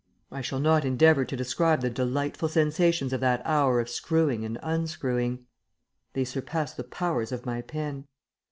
I shall not endeavor to describe the delightful sensations of that hour of screwing and unscrewing; they surpass the powers of my pen.